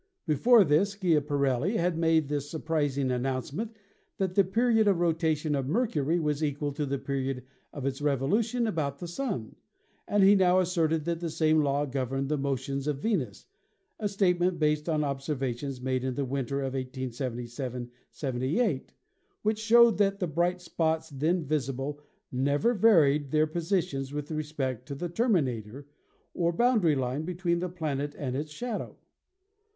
Before this Schia parelli had made the surprising announcement that the period of rotation of Mercury was equal to the period of its revolution about the Sun, and he now asserted that the same law governed the motions of Venus, a statement based on observations made in the winter of 1877 78, which showed that the bright spots then visible never varied their positions with respect to the terminator, or boundary line between the planet and its shadow.